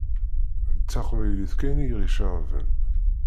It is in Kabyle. D taqbaylit kan i ɣ-iceɣben.